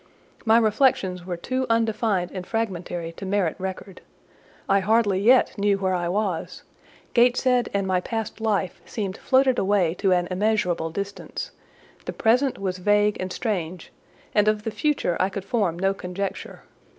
My reflections were too undefined and fragmentary to merit record: I hardly yet knew where I was; Gateshead and my past life seemed floated away to an immeasurable distance; the present was vague and strange, and of the future I could form no conjecture.